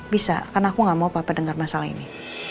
bisa karena aku gak mau papa dengar masalah ini